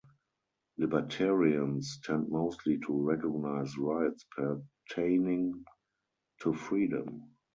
Libertarians tend mostly to recognize rights pertaining to freedom.